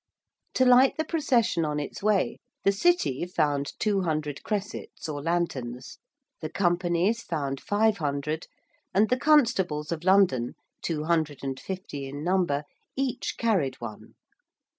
To light the procession on its way the City found two hundred cressets or lanterns, the Companies found five hundred and the constables of London, two hundred and fifty in number, each carried one.